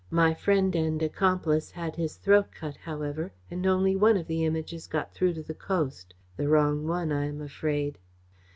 My friend and accomplice had his throat cut, however, and only one of the Images got through to the coast the wrong one, I am afraid."